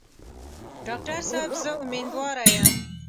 ډاکټر صاحب زه امیندواره یم.